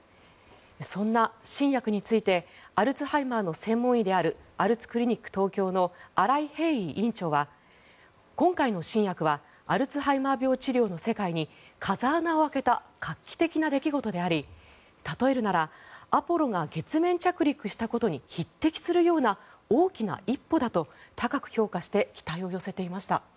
そんな新薬についてアルツハイマーの専門医であるアルツクリニック東京の新井平伊院長は今回の新薬はアルツハイマー病治療の世界に風穴を開けた画期的な出来事であり例えるならアポロが月面着陸したことに匹敵するような大きな一歩だと高く評価して期待を寄せていました。